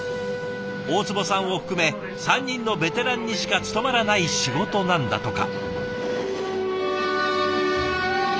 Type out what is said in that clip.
大坪さんを含め３人のベテランにしか務まらない仕事なんだとか。